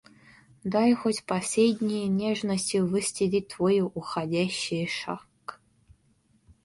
Дай хоть последней нежностью выстелить твой уходящий шаг.